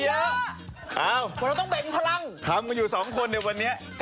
เราต้องแบ่งพลังทำกันอยู่สองคนในวันนี้